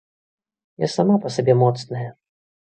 Я сама па сабе моцная.